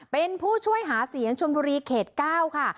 เป็นผู้ช่วยหาเสียงชนบุรีเขต๙ค่ะ